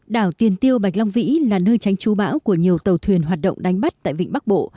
đảo tiền tiêu bạch long vĩ là nơi tránh chú bão của nhiều tàu thuyền hoạt động đánh bắt tại vịnh bắc bộ